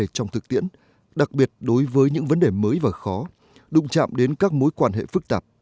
trong thực tiễn đặc biệt đối với những vấn đề mới và khó đụng chạm đến các mối quan hệ phức tạp